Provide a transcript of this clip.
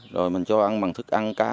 rồi mình cho ăn bằng thức ăn cá